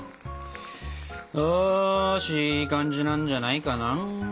よしいい感じなんじゃないかな。